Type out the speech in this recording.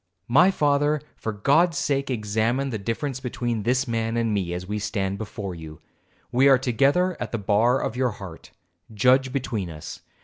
My father, for God's sake examine the difference between this man and me, as we stand before you. We are together at the bar of your heart, judge between us.